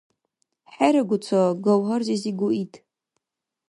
ХӀерагу ца, Гавгьар-зизигу ит.